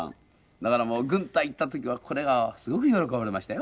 だからもう軍隊行った時はこれがすごく喜ばれましたよ。